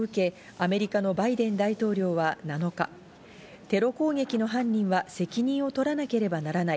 アメリカのバイデン大統領は７日、テロ攻撃の犯人は責任を取らなければならない。